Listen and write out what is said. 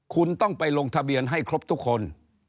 คุณต้องไปลงทะเบียนให้ครบทุกคน